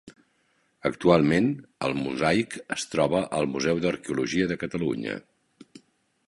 Actualment, el mosaic es troba al Museu d'Arqueologia de Catalunya.